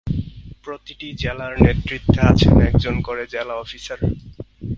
প্রতিটি জেলার নেতৃত্বে আছেন একজন করে জেলা অফিসার।